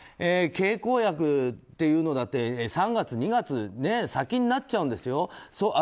経口薬っていうのだって３月、２月先になっちゃうんですよ。